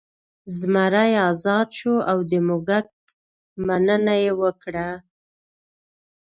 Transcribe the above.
زمری ازاد شو او د موږک مننه یې وکړه.